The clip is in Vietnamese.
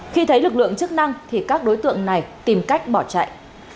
khi thấy lực lượng chức năng thì các đối tượng này tìm cách bỏ chạy